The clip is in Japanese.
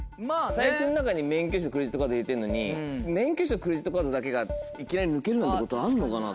財布の中に免許証クレジットカード入れてんのに免許証クレジットカードだけがいきなり抜けるなんてことあんのかな？